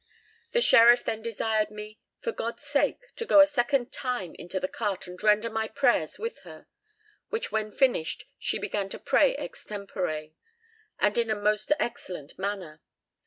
The sheriff then desired me, for God's sake, to go a second time into the cart and render my prayers with her, which when finished, she began to pray extempore, and in a most excellent manner.